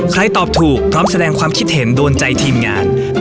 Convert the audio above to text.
ตอบถูกพร้อมแสดงความคิดเห็นโดนใจทีมงาน